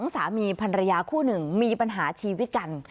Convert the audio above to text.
สามีพันรยาคู่หนึ่งมีปัญหาชีวิตกัน